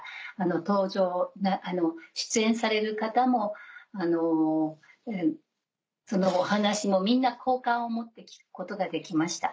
登場出演される方もそのお話もみんな好感を持って聞くことができました。